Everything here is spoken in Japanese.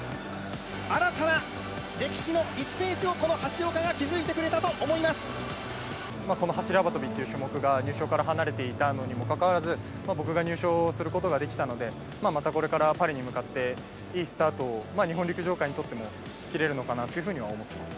新たな歴史の１ページをこのこの走り幅跳びという種目が、入賞から離れていたのにもかかわらず、僕が入賞することができたので、またこれから、パリに向かっていいスタートを、日本陸上界にとっても切れるのかなというふうには思っています。